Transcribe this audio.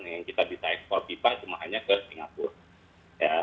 yang kita bisa ekspor pipa cuma hanya ke singapura